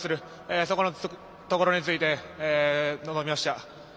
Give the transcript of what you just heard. そこのところについて臨みました。